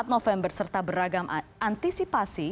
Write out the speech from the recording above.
empat november serta beragam antisipasi